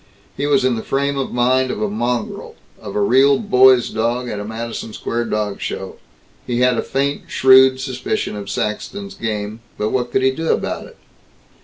He was in the frame of mind of a mongrel, of a real Boys' Dog, at a Madison Square dog show. He had a faint shrewd suspicion of Saxton's game. But what could he do about it?